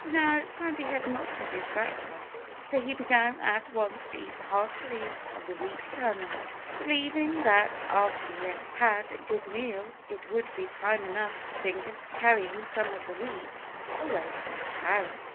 Now, Sandy had not had his breakfast. So he began at once to eat heartily of the wheat kernels, believing that after he had had a good meal it would be time enough to think of carrying some of the wheat away to his house.